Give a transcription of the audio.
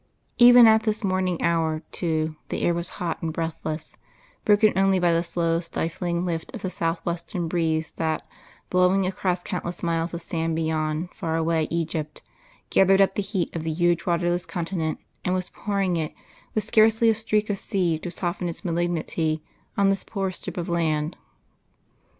Even at this morning hour, too, the air was hot and breathless, broken only by the slow stifling lift of the south western breeze that, blowing across countless miles of sand beyond far away Egypt, gathered up the heat of the huge waterless continent and was pouring it, with scarcely a streak of sea to soften its malignity, on this poor strip of land.